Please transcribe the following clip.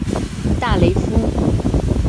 大雷夫。